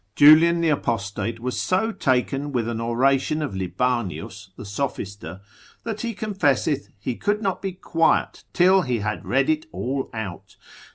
Julian the Apostate was so taken with an oration of Libanius, the sophister, that, as he confesseth, he could not be quiet till he had read it all out.